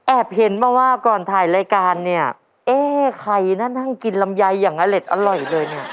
เห็นมาว่าก่อนถ่ายรายการเนี่ยเอ๊ะใครนะนั่งกินลำไยอย่างอเล็ดอร่อยเลยเนี่ย